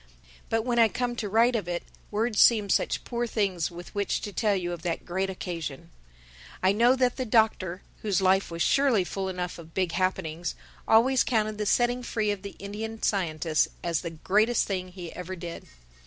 But when I come to write of it, words seem such poor things with which to tell you of that great occasion. I know that the Doctor, whose life was surely full enough of big happenings, always counted the setting free of the Indian scientist as the greatest thing he ever did.